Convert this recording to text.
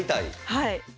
はい。